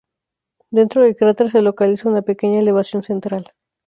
Dentro del cráter se localiza una pequeña elevación central.